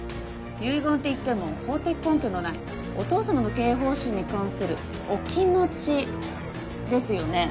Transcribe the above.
遺言っていっても法的根拠のないお父さまの経営方針に関するお気持ちですよね？